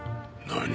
何！？